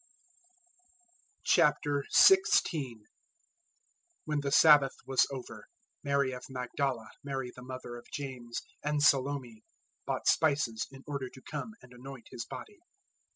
016:001 When the Sabbath was over, Mary of Magdala, Mary the mother of James, and Salome, bought spices, in order to come and anoint His body.